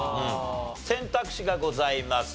選択肢がございます。